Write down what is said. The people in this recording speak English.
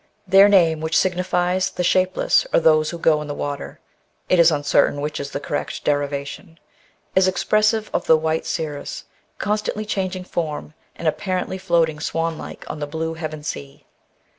Their name, which signifies " the shape less," or " those who go in the water "— it is uncertain which is the correct derivation — is expressive of the white cirrus, constantly changing form, and apparently floating swan like on the blue heaven sea.